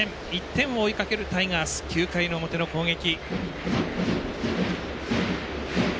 １点を追いかけるタイガース、９回の表の攻撃。